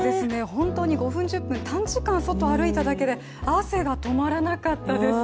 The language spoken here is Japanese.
本当に５分１０分、短時間外を歩いただけで汗が止まらなかったです。